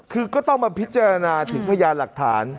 คือก็ต้องมาพิจารณาถึงพยานหลักฐาน